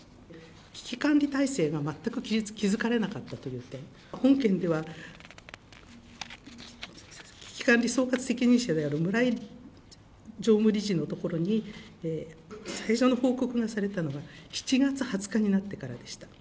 危機管理体制が全く築かれなかったという点、本件では危機管理総括責任者である村井常務理事のところに、最初の報告がされたのは７月２０日になってからでした。